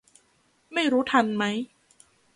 ไม่รู้ทันไหม